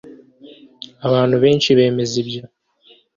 Abantu benshi bemeza ibyo